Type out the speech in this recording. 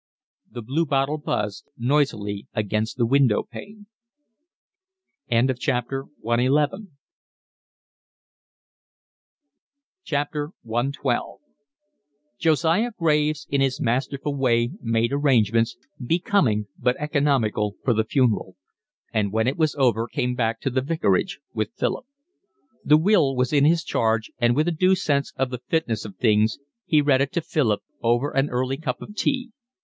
The bluebottle buzzed, buzzed noisily against the windowpane. CXII Josiah Graves in his masterful way made arrangements, becoming but economical, for the funeral; and when it was over came back to the vicarage with Philip. The will was in his charge, and with a due sense of the fitness of things he read it to Philip over an early cup of tea.